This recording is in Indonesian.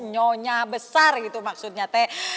nyonya besar gitu maksudnya teh